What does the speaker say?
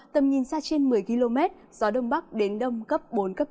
tầm nhìn xa trên một mươi km gió đông bắc đến đông cấp bốn cấp năm